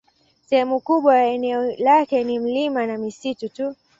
Sehemu kubwa ya eneo lake ni milima na misitu tu.